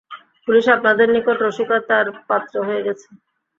Police আপনাদের নিকট রসিকতার পাত্র হয়ে গেছে?